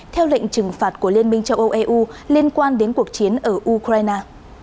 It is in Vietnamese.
theo lệnh trừng phạt của liên minh châu âu eu liên quan đến cuộc chiến ở ukraine